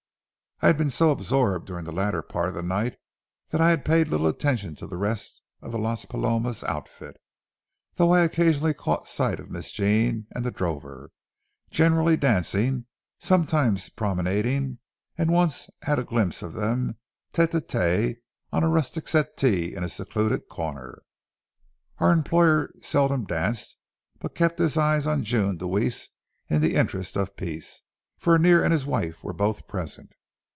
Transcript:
I had been so absorbed during the latter part of the night that I had paid little attention to the rest of the Las Palomas outfit, though I occasionally caught sight of Miss Jean and the drover, generally dancing, sometimes promenading, and once had a glimpse of them tête à tête on a rustic settee in a secluded corner. Our employer seldom danced, but kept his eye on June Deweese in the interests of peace, for Annear and his wife were both present.